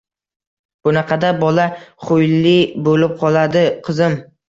Bunaqada bola xuyli bo‘lib qoladi, qizim.